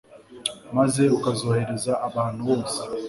maze ukazoherereza abantu bose